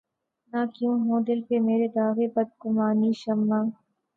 نہ کیوں ہو دل پہ مرے داغِ بدگمانیِ شمع